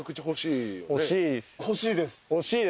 欲しいです。